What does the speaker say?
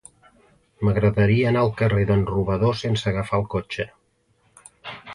M'agradaria anar al carrer d'en Robador sense agafar el cotxe.